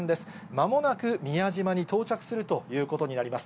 まもなく宮島に到着するということになります。